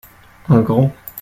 Un grand.